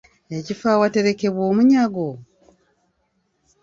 Ekifo awaterekebwa omuyingo?